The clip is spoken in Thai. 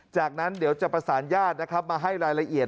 จากนั้นเดี๋ยวจะประสานญาตินะครับมาให้รายละเอียด